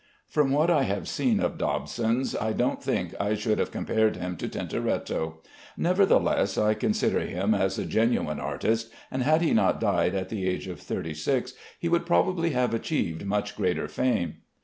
From what I have seen of Dobson's I don't think I should have compared him to Tintoretto. Nevertheless I consider him as a genuine artist, and had he not died at the age of thirty six he would probably have achieved much greater fame.